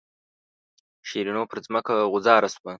شیرینو پر ځمکه غوځاره شوه.